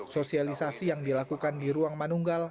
sosialisasi yang dilakukan di ruang manunggal